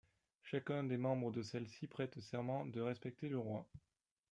Chacun des membres de celle-ci prêtent serment de respecter le roi.